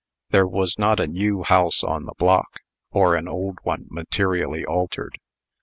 There was not a new house on the block, or an old one materially altered.